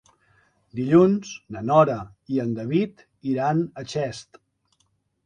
Dilluns na Nora i en David iran a Xest.